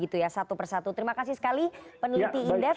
terima kasih sekali peneliti indef